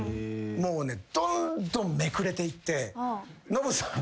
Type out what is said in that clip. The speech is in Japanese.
もうどんどんめくれていって「ノブさん」